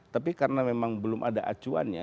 tapi karena memang belum ada acuannya